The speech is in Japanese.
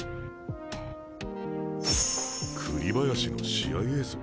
栗林の試合映像？